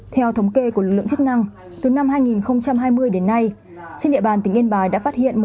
theo thống kê của lực lượng chức năng từ năm hai nghìn hai mươi đến nay trên địa bàn tỉnh yên bài đã phát hiện